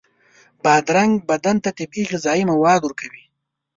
بادرنګ بدن ته طبیعي غذایي مواد ورکوي.